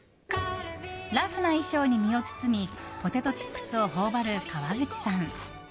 ラフな衣装に身を包みポテトチップスを頬張る川口さん。